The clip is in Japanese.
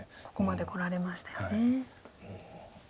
ここまでこられましたよね。